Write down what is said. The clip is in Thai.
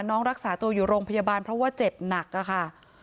รักษาตัวอยู่โรงพยาบาลเพราะว่าเจ็บหนักค่ะ